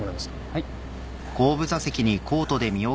はい。